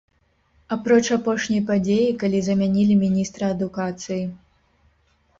Апроч апошняй падзеі, калі замянілі міністра адукацыі.